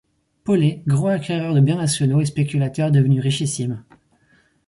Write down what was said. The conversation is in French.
Paulée, gros acquéreur de biens nationaux et spéculateur devenu richissime.